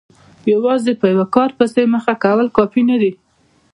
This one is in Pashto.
یوازې په یوه کار پسې مخه کول کافي نه دي.